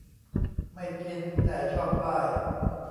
ไม่กิน แต่ชอบป้าย